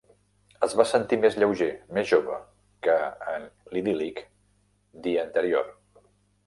Es va sentir més lleuger, més jove, que en l'idíl·lic dia anterior.